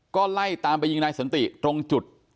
ก็ไล่ตามไปยิงนายสันติตรงจุด